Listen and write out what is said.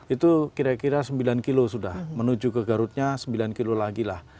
itu kira kira sembilan kilo sudah menuju ke garutnya sembilan kilo lagi lah